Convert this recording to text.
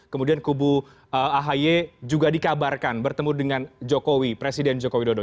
kemudian kubu ahy juga dikabarkan bertemu dengan jokowi presiden jokowi dodo